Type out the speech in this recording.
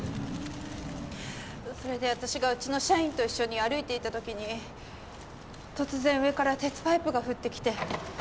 それで私がうちの社員と一緒に歩いていたときに突然上から鉄パイプが降ってきて。